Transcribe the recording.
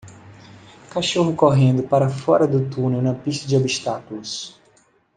Cachorro correndo para fora do túnel na pista de obstáculos